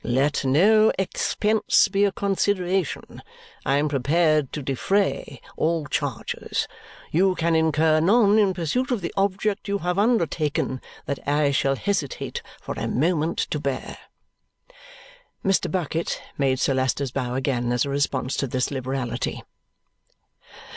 Let no expense be a consideration. I am prepared to defray all charges. You can incur none in pursuit of the object you have undertaken that I shall hesitate for a moment to bear." Mr. Bucket made Sir Leicester's bow again as a response to this liberality.